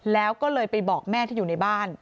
แล้วก็เลยไปบอกแม่ที่อยู่ในบ้าน